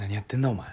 お前。